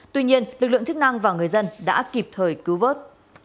tuy nhiên lực lượng chức năng và người dân đã kịp thời cứu vớt